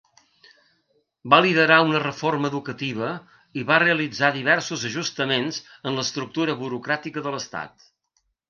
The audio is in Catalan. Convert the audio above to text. Va liderar una reforma educativa i va realitzar diversos ajustaments en l'estructura burocràtica de l'Estat.